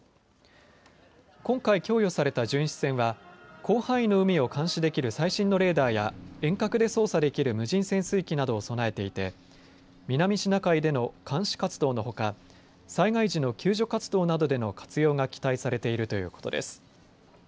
今回、供与された巡視船は広範囲の海を監視できる最新のレーダーや遠隔で操作できる無人潜水機などを備えていて南シナ海での監視活動のほか災害時の救助活動などでの活用が期待されているということです。